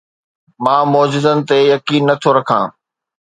مان معجزن تي يقين نه ٿو رکان